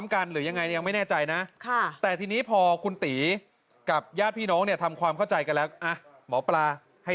ก็เลยโทรไปเช็คกับทางญาติพี่น้องเขาใช่ไหมใช่